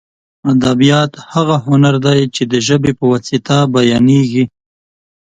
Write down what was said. ادبیات هغه هنر دی چې د ژبې په واسطه بیانېږي.